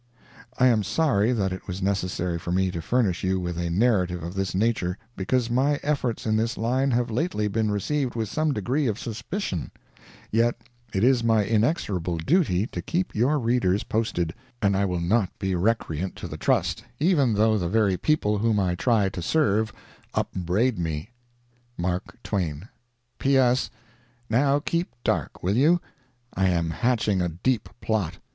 I am sorry that it was necessary for me to furnish you with a narrative of this nature, because my efforts in this line have lately been received with some degree of suspicion; yet it is my inexorable duty to keep your readers posted, and I will not be recreant to the trust, even though the very people whom I try to serve, upbraid me. MARK TWAIN P.S.—Now keep dark, will you? I am hatching a deep plot.